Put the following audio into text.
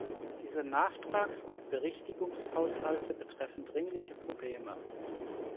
Diese Nachtrags- und Berichtigungshaushalte betreffen dringliche Probleme.